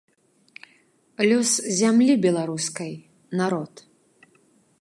Лёс зямлі беларускай народ.